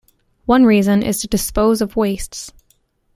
One reason is to dispose of wastes.